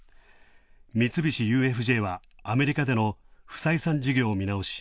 三菱ＵＦＪはアメリカでの不採算事業を見直し